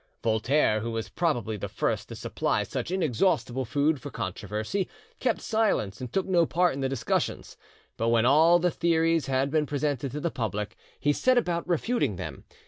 Voltaire, who was probably the first to supply such inexhaustible food for controversy, kept silence and took no part in the discussions. But when all the theories had been presented to the public, he set about refuting them.